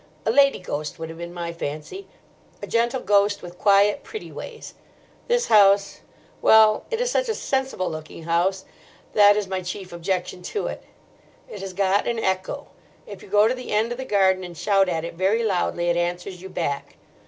A lady ghost would have been my fancy, a gentle ghost with quiet, pretty ways. This house—well, it is such a sensible looking house, that is my chief objection to it. It has got an echo. If you go to the end of the garden and shout at it very loudly, it answers you back.